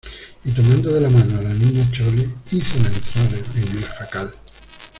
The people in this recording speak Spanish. y tomando de la mano a la Niña Chole, hízola entrar en el jacal.